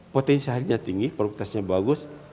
potensi harinya tinggi produktivitasnya bagus